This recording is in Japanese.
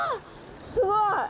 すごい！